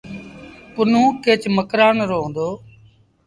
پنهون ڪيچ مڪرآݩ رو هُݩدو۔